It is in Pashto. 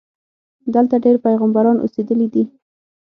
دلته ډېر پیغمبران اوسېدلي دي.